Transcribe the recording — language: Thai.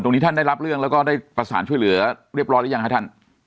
ท่านได้รับเรื่องแล้วก็ได้ประสานช่วยเหลือเรียบร้อยหรือยังฮะท่าน